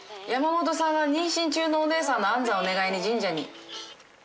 山本さんは妊娠中のお姉さんの安産を願いに神社に。